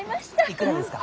いくらですか？